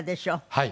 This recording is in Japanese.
はい。